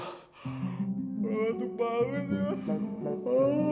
tuh ngantuk banget pak